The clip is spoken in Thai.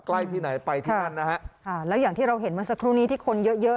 ใกล้ที่ไหนไปที่นั่นนะฮะค่ะแล้วอย่างที่เราเห็นเมื่อสักครู่นี้ที่คนเยอะเยอะ